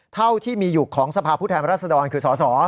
เท่าที่มีอยู่ของสภาพผู้แทนรัศดรคือสส